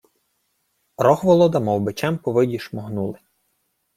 Рогволода мов бичем по виді шмагонули.